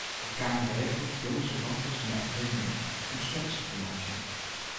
Der kamen geregeld jonges en famkes fan de Akademy om sketsen te meitsjen.